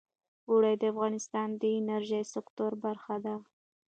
اوړي د افغانستان د انرژۍ سکتور برخه ده.